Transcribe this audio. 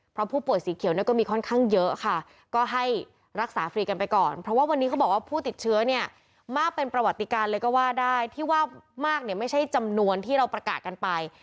เพราะผู้ป่วยสีเขียวเนี่ยก็มีค่อนข้างเยอะค่ะก็ให้รักษาฟรีกันไปก่อนเพราะว่าวันนี้เขาบอกว่าผู้ติดเชื้อเนี่ยมากเป็นประวัติการเลยก็ว่าได้ที่ว่ามากเนี่ยไม่ใช่จำนวนที่เราประกาศกันไป